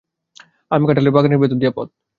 আম-কাঁঠালের বাগানের ভিতর দিয়া পথ।